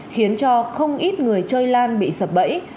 khiến cho không ít người chơi lan bị sập bẫy